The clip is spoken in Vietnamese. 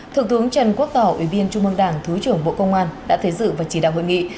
thượng thướng trần quốc tảo ủy biên trung mương đảng thứ trưởng bộ công an đã thề giữ và chỉ đạo hội nghị